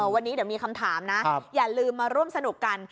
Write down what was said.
วันนี้เดี๋ยวมีคำถามนะอย่าลืมมาร่วมสนุกกัน